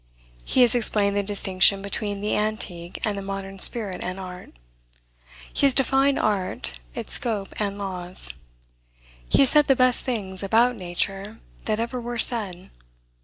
He has explained the distinction between the antique and the modern spirit and art. He has defined art, its scope and laws. He has said the best things about nature that ever were said.